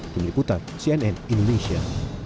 tim liputan cnn indonesia